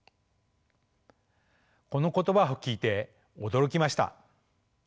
この言葉を聞いて驚きました。